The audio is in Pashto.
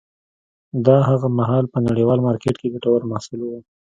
دا هغه مهال په نړیوال مارکېت کې ګټور محصول و.